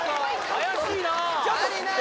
怪しいな何？